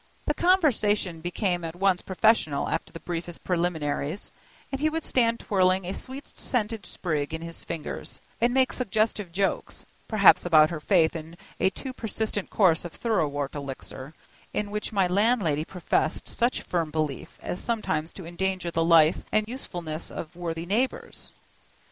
The conversation became at once professional after the briefest preliminaries, and he would stand twirling a sweet scented sprig in his fingers, and make suggestive jokes, perhaps about her faith in a too persistent course of thoroughwort elixir, in which my landlady professed such firm belief as sometimes to endanger the life and usefulness of worthy neighbors.